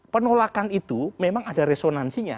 penolakan itu memang ada resonansinya